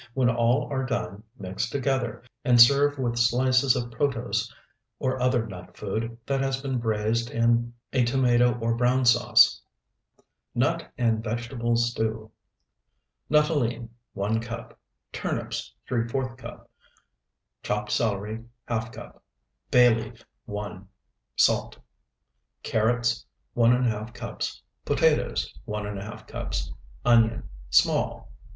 When all are done, mix together, and serve with slices of protose or other nut food that has been braized in a tomato or brown sauce. NUT AND VEGETABLE STEW Nuttolene, 1 cup. Turnips, ¾ cup. Chopped celery, ½ cup. Bay leaf, 1. Salt. Carrots, 1½ cups Potatoes, 1½ cups. Onion, small, 1.